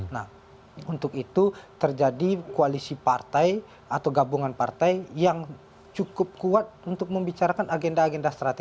nah untuk itu terjadi koalisi partai atau gabungan partai yang cukup kuat untuk membicarakan agenda agenda strategis